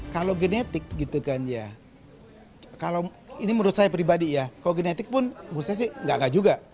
kalau genetik gitu kan ya kalau ini menurut saya pribadi ya kalau genetik pun menurut saya sih enggak enggak juga